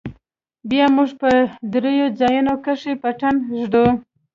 بيا موږ په درېو ځايونو کښې پټن ږدو.